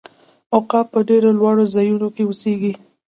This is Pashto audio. عقاب په ډیرو لوړو ځایونو کې اوسیږي